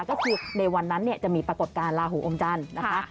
ก็คือในวันนั้นจะมีปรากฏการณลาหูอมจันทร์นะคะ